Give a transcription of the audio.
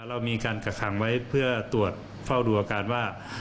เรามีการกักขังไว้เพื่อตรวจเฝ้าดูอาการว่า